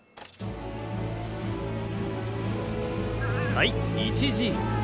はい１Ｇ。